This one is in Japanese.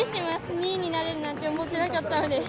２位になれるなんて思ってなかったので。